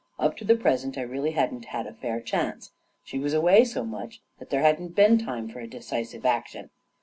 Up to the present, I really hadn't had a fair chance. She was away so much, that there hadn't been time for a decisive action.